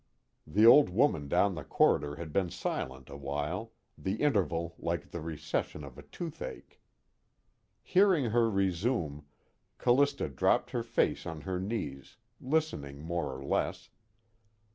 The old woman down the corridor had been silent a while, the interval like the recession of a toothache. Hearing her resume, Callista dropped her face on her knees, listening more or less.